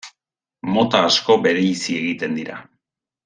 Mota asko bereizi egiten dira.